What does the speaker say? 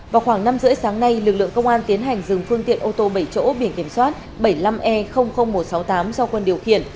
vào khoảng năm h ba mươi sáng nay lực lượng công an tiến hành dừng phương tiện ô tô bảy chỗ biển kiểm soát bảy mươi năm e một trăm sáu mươi tám do quân điều khiển